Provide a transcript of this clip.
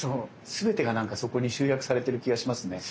全てがなんかそこに集約されてる気がしますね。